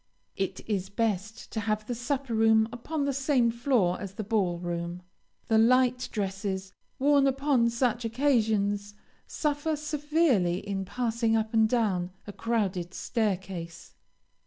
It is best to have the supper room upon the same floor as the ball room. The light dresses, worn upon such occasions, suffer severely in passing up and down a crowded staircase.